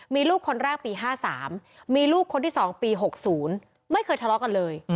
มีลูกคนแรกปี๕๓มีลูกคนที่๒ปี๖๐ไม่เคยทะเลาะกันเลย